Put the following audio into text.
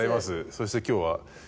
そして今日は。